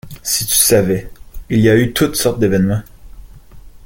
Si tu savais, il y a eu toutes sortes d’événements.